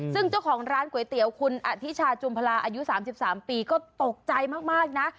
ซึ่งเจ้าของร้านก๋วยเตี๋ยวคุณอธิชาจุมพลาอายุ๓๓ปีก็ตกใจมากนะ